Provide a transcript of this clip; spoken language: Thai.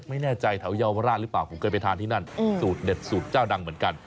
ไม่แน่ใจแถวเยาวราชหรือเปล่าผมเคยไปทานที่นั่นสูตรเด็ดสูตรเจ้าดังเหมือนกัน